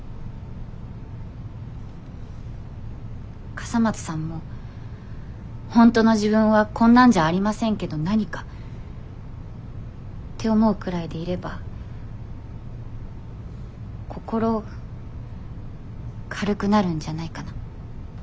笠松さんも「本当の自分はこんなんじゃありませんけど何か？」って思うくらいでいれば心軽くなるんじゃないかな。